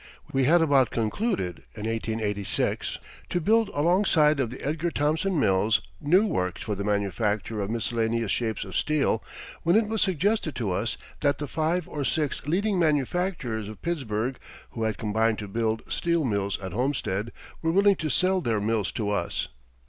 We had about concluded in 1886 to build alongside of the Edgar Thomson Mills new works for the manufacture of miscellaneous shapes of steel when it was suggested to us that the five or six leading manufacturers of Pittsburgh, who had combined to build steel mills at Homestead, were willing to sell their mills to us.